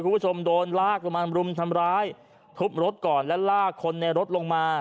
คุณผู้ชมโดนลากลงมารุมทำร้ายทุบรถก่อนและลากคนในรถลงมา